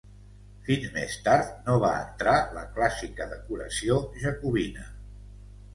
Fins més tard no va entrar la clàssica decoració jacobina.